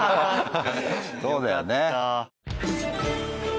そうだよね。